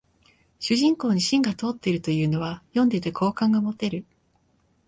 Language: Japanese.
主人公に芯が通ってるというのは読んでて好感が持てる